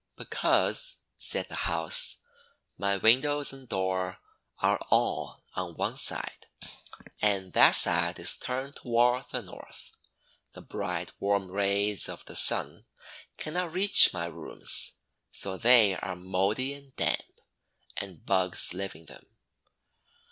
"Because," said the House, "my windows and door are all on one side, and that side is turned toward the North. The bright warm rays of the Sun cannot reach my rooms, so they are mouldy and damp, and bugs live in them."